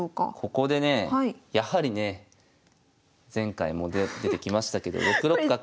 ここでねやはりね前回も出てきましたけど６六角。